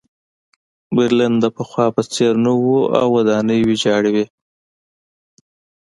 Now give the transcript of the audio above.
برلین د پخوا په څېر نه و او ودانۍ ویجاړې وې